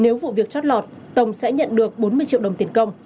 nếu vụ việc chót lọt tổng sẽ nhận được bốn mươi triệu đồng tiền công